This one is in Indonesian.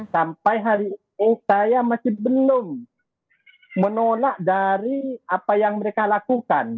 sampai hari ini saya masih belum menolak dari apa yang mereka lakukan